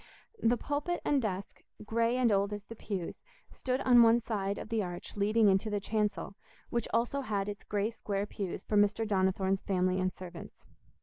The pulpit and desk, grey and old as the pews, stood on one side of the arch leading into the chancel, which also had its grey square pews for Mr. Donnithorne's family and servants.